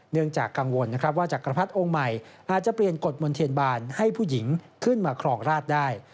เนื่องจากกังวลนะครับว่าจักรพรรดิองค์ใหม่อาจจะเปลี่ยนกฎมนเทียนบาลให้ผู้หญิงขึ้นมาครองราชได้